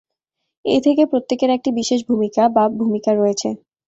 এ থেকে, প্রত্যেকের একটি বিশেষ ভূমিকা বা ভূমিকা রয়েছে।